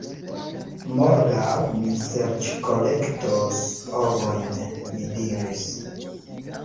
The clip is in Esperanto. Morgaŭ mi serĉkolektos ovojn, mi diris.